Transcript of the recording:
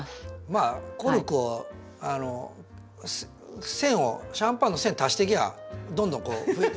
まあコルクを栓をシャンパンの栓足していきゃどんどん増やせますもんね。